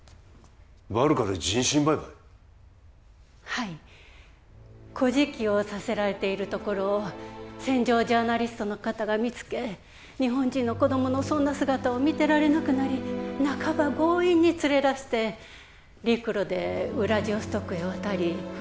バルカで人身売買！？はいこじきをさせられているところを戦場ジャーナリストの方が見つけ日本人の子どものそんな姿を見てられなくなり半ば強引に連れ出して陸路でウラジオストクへ渡り船でここ舞鶴へ